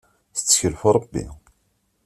Tettkel ɣef Rebbi.